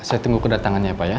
saya tunggu kedatangannya pak ya